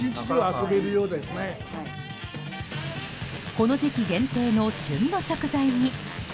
この時期限定の旬の食材に。